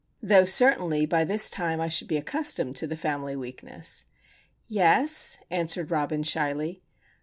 Though, certainly, by this time I should be accustomed to the family weakness. "Yes," answered Robin, shyly.